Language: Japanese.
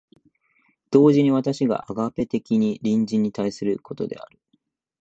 同時に私がアガペ的に隣人に対することである。